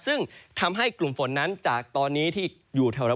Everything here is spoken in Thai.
ซึ่งทำให้กลุ่มฝนนั้นจากตอนนี้ที่อยู่แถว